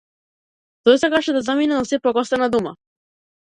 Тој сакаше да замине но сепак остана дома.